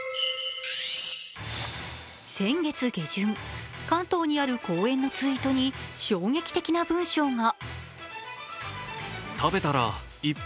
先月下旬、関東にある公園のツイートに衝撃的な文章が。